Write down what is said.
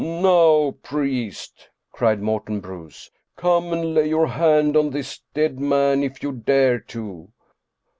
" Now, priest," cried Morten Bruus, " come and lay your hand on this dead man if you dare to